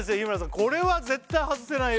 これは絶対外せないよ